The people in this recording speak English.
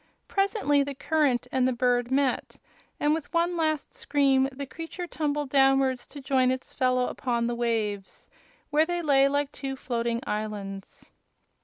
Presently the current and the bird met, and with one last scream the creature tumbled downwards to join its fellow upon the waves, where they lay like two floating islands.